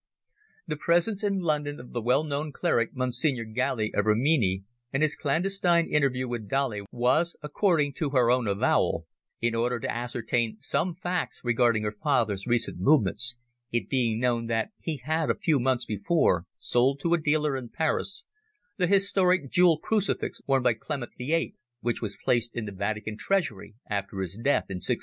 The presence in London of the well known cleric, Monsignore Galli, of Rimini, and his clandestine interview with Dolly, was, according to her own avowal, in order to ascertain some facts regarding her father's recent movements, it being known that he had a few months before sold to a dealer in Paris the historic jewelled crucifix worn by Clement VIII which was placed in the Vatican treasury after his death in 1605.